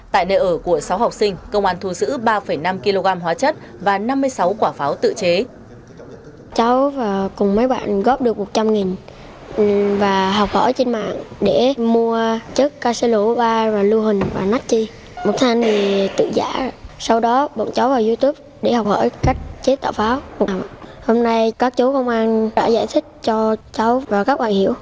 tại nơi ở của sáu học sinh công an thu giữ ba năm kg hóa chất và năm mươi sáu quả pháo tự chế